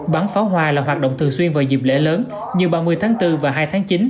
bắn pháo hoa là hoạt động thường xuyên vào dịp lễ lớn như ba mươi tháng bốn và hai tháng chín